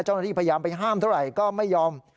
เจ้าหน้าที่พยายามไปห้ามเท่าไหร่ก็ไม่ยอม